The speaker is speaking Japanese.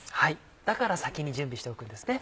だから先に準備しておくんですね。